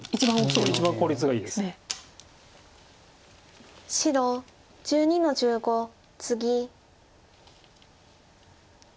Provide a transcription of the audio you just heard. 白１２の十五ツギ。